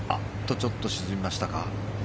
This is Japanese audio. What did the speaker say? ちょっと沈みましたか。